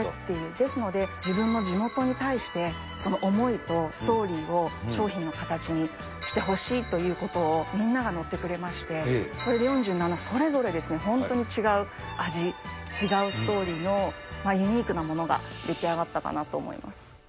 ですので、自分の地元に対して、その思いとストーリーを商品の形にしてほしいということを、みんなが乗ってくれまして、それで４７、それぞれですね、本当に違う味、違うストーリーのユニークなものが出来上がったかなと思います。